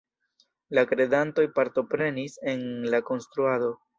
La kredantoj partoprenis en la konstruado.